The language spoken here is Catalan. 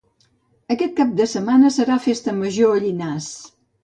Aquest cap de setmana serà Festa Major a Llinars